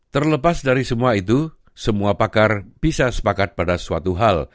terlepas dari semua itu semua pakar bisa sepakat pada suatu hal